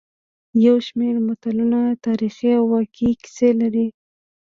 یو شمېر متلونه تاریخي او واقعي کیسې لري